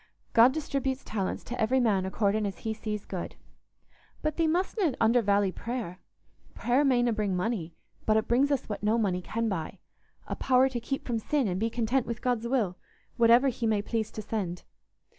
God distributes talents to every man according as He sees good. But thee mustna undervally prayer. Prayer mayna bring money, but it brings us what no money can buy—a power to keep from sin and be content with God's will, whatever He may please to send.